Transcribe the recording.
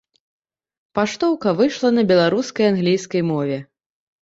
Паштоўка выйшла на беларускай і англійскай мове.